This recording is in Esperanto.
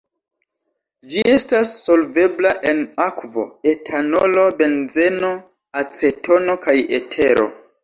Ĝi estas solvebla en akvo, etanolo, benzeno, acetono kaj etero.